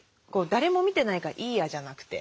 「誰も見てないからいいや」じゃなくて。